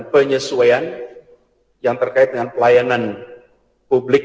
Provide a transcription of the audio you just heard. penyesuaian yang terkait dengan pelayanan publik